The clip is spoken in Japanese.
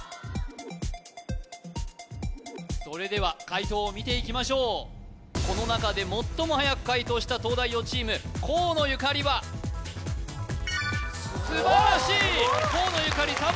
それでは解答を見ていきましょうこの中で最もはやく解答した東大王チーム河野ゆかりは素晴らしい！